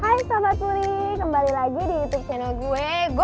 hai sobat puri kembali lagi di youtube channel gue go puri go go go